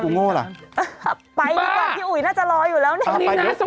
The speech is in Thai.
แต่มันก็ไม่ได้เรวร้ายเสมอไป